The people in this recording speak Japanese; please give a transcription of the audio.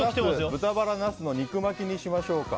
豚バラ、ナスの肉巻きにしましょうか。